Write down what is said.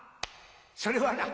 それはな